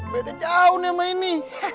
beda jauh nih ama ini